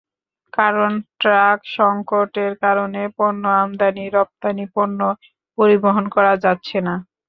কারণ ট্রাক সংকটের কারণে পণ্য আমদানি-রপ্তানি পণ্য পরিবহন করা যাচ্ছে না।